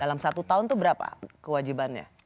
dalam satu tahun itu berapa kewajibannya